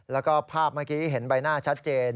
แล้วก็ภาพเมื่อกี้เห็นใบหน้าชัดเจน